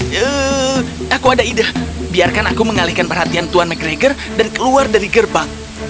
hmm aku ada ide biarkan aku mengalihkan perhatian tuan mcgregor dan keluar dari gerbang